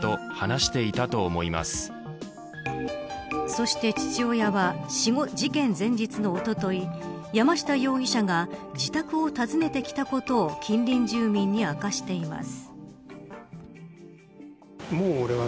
そして父親は事件前日のおととい山下容疑者が自宅を訪ねてきたことを近隣住民に明かしています。